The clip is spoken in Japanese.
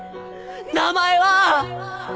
名前は⁉